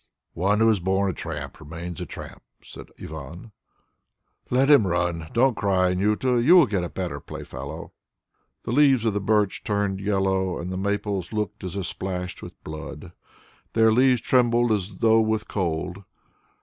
"One who is born a tramp, remains a tramp," said Ivan. "Let him run! Don't cry, Anjuta; you will get a better playfellow." The leaves of the birch turned yellow and the maples looked as if splashed with blood. Their leaves trembled as though with cold.